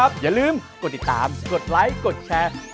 สวัสดีค่ะ